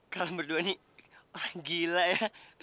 kalian berdua nih gila ya